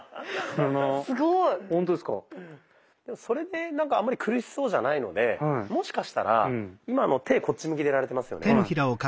それでなんかあんまり苦しそうじゃないのでもしかしたら今の手こっち向きでやられてますよね。